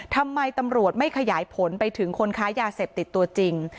ทำไมตำรวจไม่ขยายผลไปถึงคนค้ายาเสพติดตัวจริง